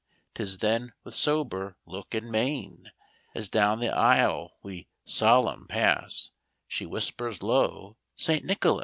Tis then with sober look, and mein, As down the aisle we, solemn, pass, She whispers low, 'St. Nicholas.